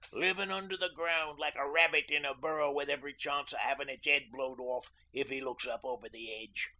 "Livin' under the ground, like a rabbit in a burrow with every chance of 'avin' 'is 'ead blowed off if 'e looks up over the edge.